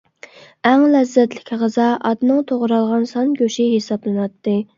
ئەڭ لەززەتلىك غىزا ئاتنىڭ توغرالغان سان گۆشى ھېسابلىناتتى.